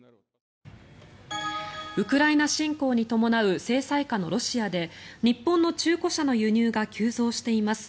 ウクライナ侵攻に伴う制裁下のロシアで日本の中古車の輸入が急増しています。